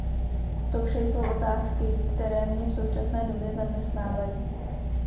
To vše jsou otázky, které mě v současné době zaměstnávají.